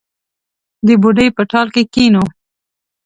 د بوډۍ په ټال کې کښېنو